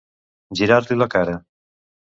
Girar-li la cara.